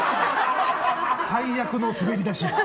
最悪の滑り出し。